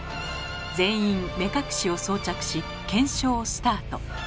全員目隠しを装着し検証スタート。